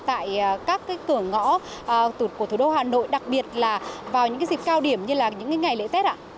tại các cửa ngõ của thủ đô hà nội đặc biệt là vào những dịp cao điểm như là những ngày lễ tết ạ